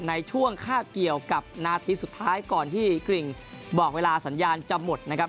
ในช่วงคาบเกี่ยวกับนาทีสุดท้ายก่อนที่กริ่งบอกเวลาสัญญาณจะหมดนะครับ